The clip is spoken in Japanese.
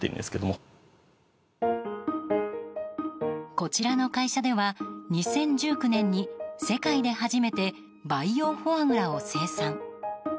こちらの会社では２０１９年に世界で初めて培養フォアグラを生産。